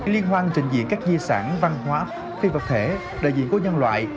liên hoan trình diễn các di sản văn hóa phi vật thể đại diện của nhân loại